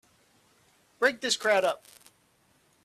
Break this crowd up!